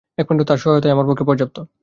একমাত্র তাঁর সহায়তাই আমার পক্ষে পর্যাপ্ত।